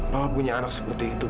papa punya anak seperti itu pak